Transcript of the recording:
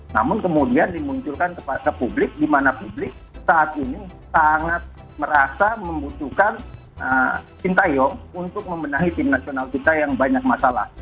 namun kemudian dimunculkan kepada publik di mana publik saat ini sangat merasa membutuhkan sintayong untuk membenahi tim nasional kita yang banyak masalah